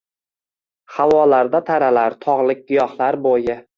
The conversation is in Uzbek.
Havolarda taralar tog‘lik giyohlar bo‘yi.